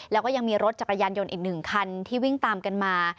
แล้วก็ยังมีรถจักรยานยนต์อีก๑คันที่วิ่งตามกันมา